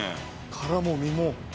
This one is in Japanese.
殻も身も。